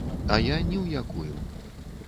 А я ні ў якую.